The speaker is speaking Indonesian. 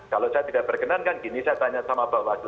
kalau saya tidak berkenan kan gini saya tanya sama bawaslu